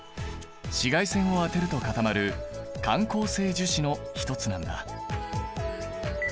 紫外線を当てると固まる感光性樹脂の一つなんだ。